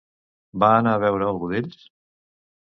Va anar a veure a algú d'ells?